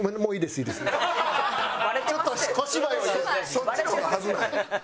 そっちの方が恥ずない？